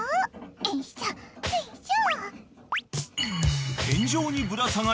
よいしょよいしょ。